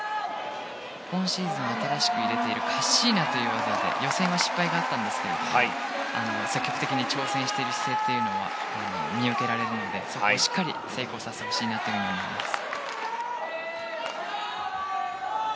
今シーズン新しく入れているカッシーナという技で予選では失敗がありましたが積極的に挑戦している姿勢というのが見受けられるのでそこをしっかり成功させてほしいなと思います。